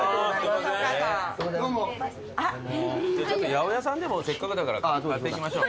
八百屋さんでもせっかくだから買っていきましょう。